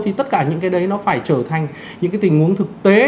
thì tất cả những cái đấy nó phải trở thành những cái tình huống thực tế